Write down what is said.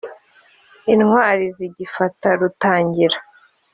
intwari zigifata rutangira.